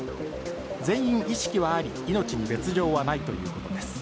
全員意識はあり、命に別状はないということです。